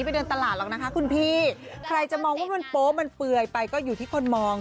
เพราะว่ามันโป๊ปมันเปลือยไปก็อยู่ที่คนมอง